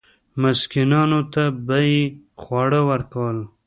مسکینانو ته به یې خواړه ورکول.